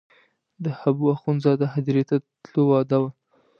د حبوا اخندزاده هدیرې ته د تلو وعده وه.